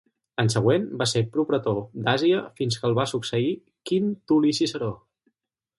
L'any següent va ser propretor d'Àsia fins que el va succeir Quint Tul·li Ciceró.